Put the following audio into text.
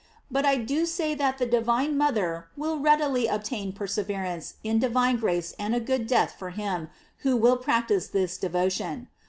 But I do say that the divine mother will readily obtain perseverance Jn di vine grace and a good death for him who will practise this devotion.